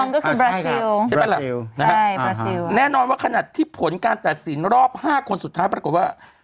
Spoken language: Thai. รองก็คือบราซิลใช่ไหมแหละบราซิลใช่บราซิลแน่นอนว่าขณะที่ผลการตัดสินรอบห้าคนสุดท้ายปรากฏว่า